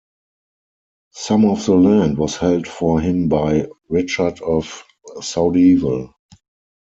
Some of the land was held for him by "Richard of Soudeval".